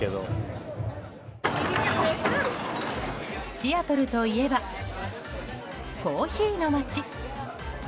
シアトルといえばコーヒーの街。